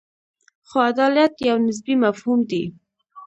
خو عدالت یو نسبي مفهوم دی.